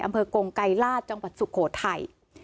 อำเภอกรงไกรลาศจังหวัดสุโขทัย